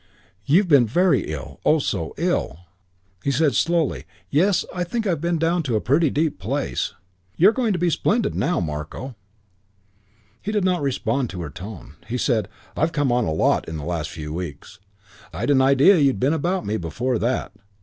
"You've been very ill; oh, so ill." He said slowly, "Yes, I think I've been down in a pretty deep place." "You're going to be splendid now, Marko." He did not respond to her tone. He said, "I've come on a lot in the last few weeks. I'd an idea you'd been about me before that.